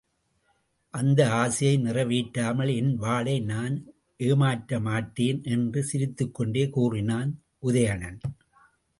அந்த ஆசையை நிறைவேற்றாமல் என் வாளை நான் ஏமாற்றமாட்டேன் என்று சிரித்துக்கொண்டே கூறினான் உதயணன்.